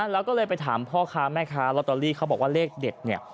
แล้วก็เลยไปถามพ่อค้าแม่ค้าลอตเตอรี่เขาบอกว่าเลขเด็ดเนี่ย